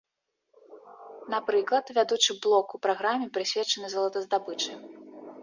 Напрыклад, вядучы блок у праграме прысвечаны золатаздабычы.